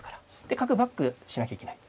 で角バックしなきゃいけない。